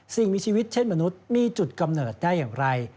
สิ่งมีชีวิตเช่นมนุษย์มีจุดกำเนิดได้อย่างไร